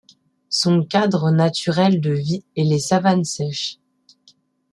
Son cadre naturel de vie est les savanes sèches.